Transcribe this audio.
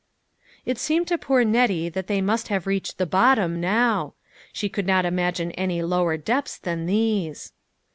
It seemed to poor Nettie that they must have reached the bottom now. She could not imagine any lower depths than these.